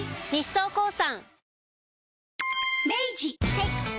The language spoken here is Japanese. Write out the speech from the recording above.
はい。